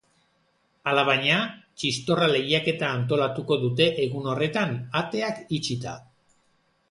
Alabaina, txistorra lehiaketa antolatuko dute egun horretan, ateak itxita.